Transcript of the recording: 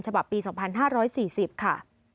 ฉบับปี๒๕๔๐ค่ะ